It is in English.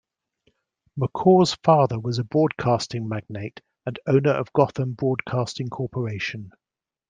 McCaw's father was a broadcasting magnate and owner of Gotham Broadcasting Corporation.